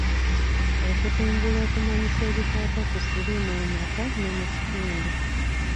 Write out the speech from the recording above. Okutumbula okumanyisa ebikwata ku siriimu mu maka ne mu kitundu.